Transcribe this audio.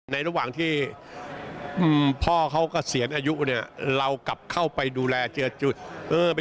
ในระหว่างที่พ่อก้าเสียอายุเรากลับเข้าไปดูแลเจอจุด